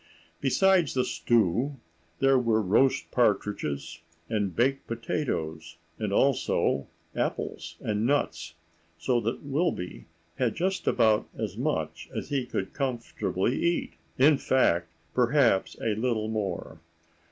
Besides the stew there were roast partridges and baked potatoes, and also apples and nuts, so that Wilby had just about as much as he could comfortably eat—in fact, perhaps a little more.